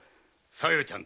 小夜ちゃん